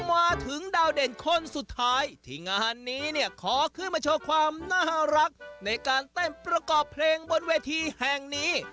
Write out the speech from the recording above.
มาถึงดาวเด่นคนสุดท้ายที่งานนี้เนี่ยขอขึ้นมาโชว์ความน่ารักในการเต้นประกอบเพลงบนเวทีแห่งนี้